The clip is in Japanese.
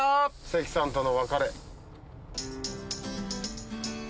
関さんとの別れ。